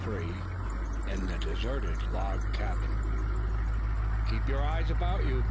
IN THE DESERTED LOG CABIN. "KEEP your eyes about you!"